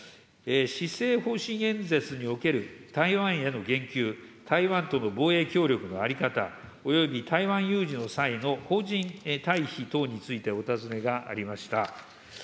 施政方針演説における、台湾への言及、台湾との防衛協力の在り方、および台湾有事の際の邦人退避等について、お尋ねがありました。